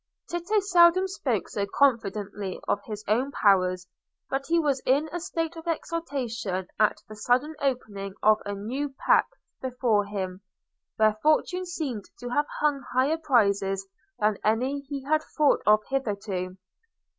Tito seldom spoke so confidently of his own powers, but he was in a state of exaltation at the sudden opening of a new path before him, where fortune seemed to have hung higher prizes than any he had thought of hitherto.